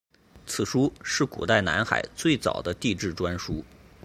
此书是古代南海最早的地志专书。